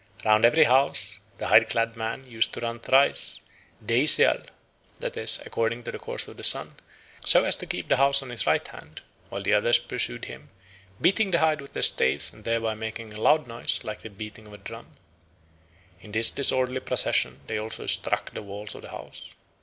Round every house the hide clad man used to run thrice deiseal, that is, according to the course of the sun, so as to keep the house on his right hand; while the others pursued him, beating the hide with their staves and thereby making a loud noise like the beating of a drum. In this disorderly procession they also struck the walls of the house.